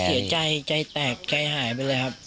เสียใจใจแตกใจหายไปเลยครับ